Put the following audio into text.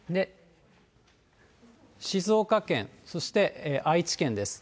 静岡県、そして愛知県です。